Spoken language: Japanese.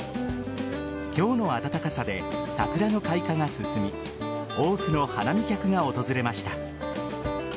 今日の暖かさで桜の開花が進み多くの花見客が訪れました。